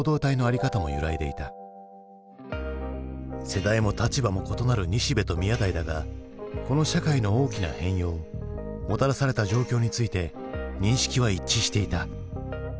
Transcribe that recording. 世代も立場も異なる西部と宮台だがこの社会の大きな変容もたらされた状況について認識は一致していた。